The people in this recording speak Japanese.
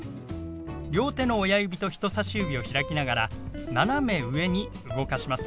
両手の親指と人さし指を開きながら斜め上に動かします。